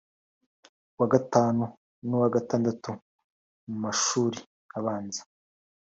uwa Gatanu n’uwa Gatandatu mu mashuri abanza